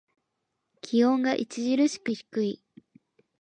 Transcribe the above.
気温が著しく低い。